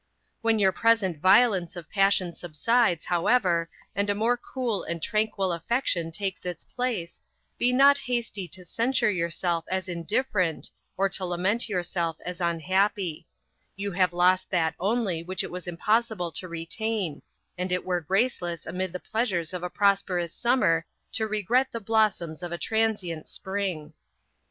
When your present violence of passion subsides, however, and a more cool and tranquil affection takes its place, be not hasty to censure yourself as indifferent, or to lament yourself as unhappy; you have lost that only which it was impossible to retain, and it were graceless amid the pleasures of a prosperous summer to regret the blossoms of a transient spring.